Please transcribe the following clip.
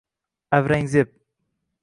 Avrangzeb